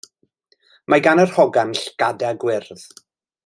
Mae gan yr hogan llgada gwyrdd.